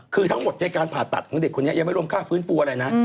คือทั้งหมดในการผ่าตัดของเด็กคนนี้ยังไม่รวมค่าฟื้นฟูอะไรนะ